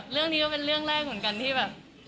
เรื่องนี้ก็เป็นเรื่องแรกเหมือนกันที่แบบ